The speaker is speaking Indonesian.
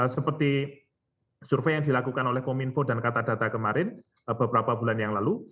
seperti survei yang dilakukan oleh pominfo dan katadata kemarin beberapa bulan yang lalu